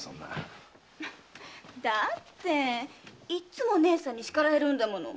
だっていっつも義姉さんに叱られるんだもの。